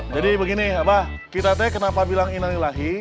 jadi begini kita kenapa bilang inal ilahi